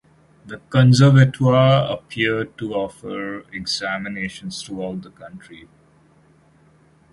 The Conservatoire appeared to offer examinations throughout the country.